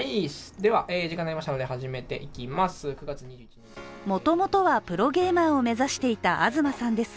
では時間になりましたので始めていきます。